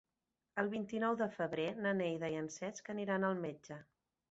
El vint-i-nou de febrer na Neida i en Cesc aniran al metge.